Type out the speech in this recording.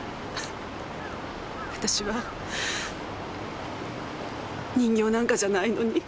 私は人形なんかじゃないのに。